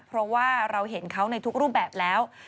เพราะว่าเราเห็นเขาในทุกรูปแบบแล้ว